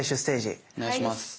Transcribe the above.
お願いします。